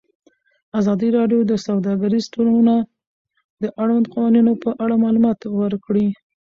ازادي راډیو د سوداګریز تړونونه د اړونده قوانینو په اړه معلومات ورکړي.